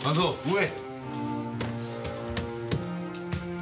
上。